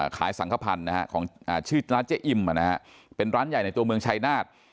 สังขพันธ์ของชื่อร้านเจ๊อิ่มเป็นร้านใหญ่ในตัวเมืองชายนาฏ